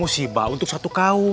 oh musibah untuk satu kaum museum